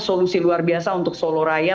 solusi luar biasa untuk solo raya